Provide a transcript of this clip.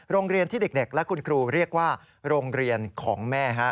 โรงเรียนที่เด็กและคุณครูเรียกว่าโรงเรียนของแม่